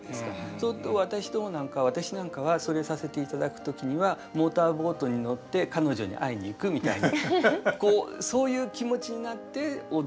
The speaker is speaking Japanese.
そうすると私なんかはそれさせていただく時にはモーターボートに乗って彼女に会いに行くみたいな。